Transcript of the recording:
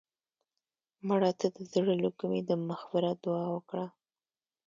مړه ته د زړه له کومې د مغفرت دعا وکړه